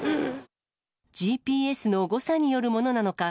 ＧＰＳの誤差によるものなのか。